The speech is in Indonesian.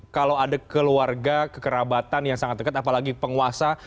kalau ada keluarga kekerabatan yang sangat dekat apalagi penguasa